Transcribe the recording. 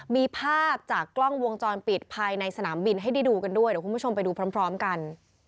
มีภาพจากกล้องวงจรปิดภายในสนามบินให้ได้ดูกันด้วยเดี๋ยวคุณผู้ชมไปดูพร้อมกัน